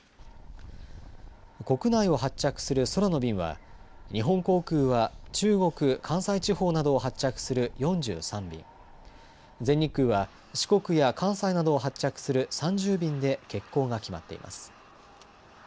国内を発着する空の便は日本航空は中国、関西地方などを発着する４３便、全日空は四国や関西などを発着する３０便で欠航が決まっています。